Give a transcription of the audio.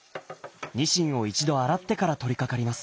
ニシンを一度洗ってから取りかかります。